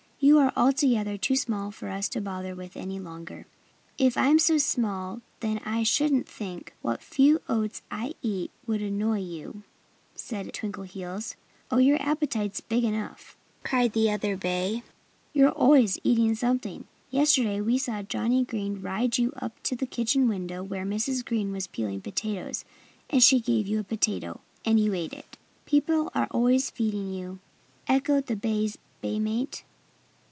"You are altogether too small for us to bother with any longer." "If I'm so small, then I shouldn't think what few oats I eat would annoy you," said Twinkleheels. "Oh, your appetite's big enough!" cried the other bay. "You're always eating something. Yesterday we saw Johnnie Green ride you up to the kitchen window where Mrs. Green was peeling potatoes. And she gave you a potato. And you ate it." "People are always feeding you," echoed the bay's bay mate.